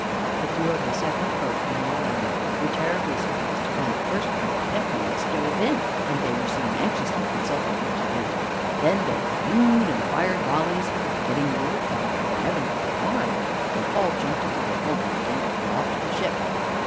The crew of the second boat, when they landed, were terribly surprised to find the first boat empty and stove in, and they were seen anxiously consulting what to do. Then they hallooed and fired volleys. Getting no reply, they were evidently alarmed, for they all jumped into their boat and began to pull off to the ship.